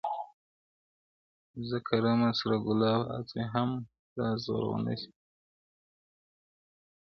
• زه کرمه سره ګلاب ازغي هم را زرغونه سي,